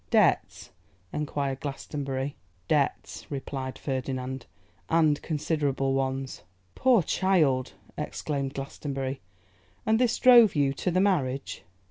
'Debts?' enquired Glastonbury. 'Debts,' replied Ferdinand, 'and considerable ones.' 'Poor child!' exclaimed Glastonbury. 'And this drove you to the marriage?